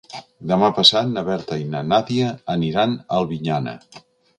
Demà passat na Berta i na Nàdia aniran a Albinyana.